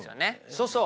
そうそう。